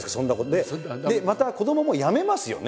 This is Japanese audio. でまた子どももやめますよね